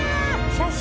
写真？